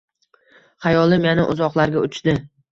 Xayolim yana uzoqlarga uchdi.